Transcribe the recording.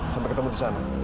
sampai ketemu disana